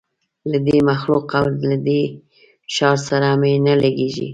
له دې مخلوق او له دې ښار سره مي نه لګیږي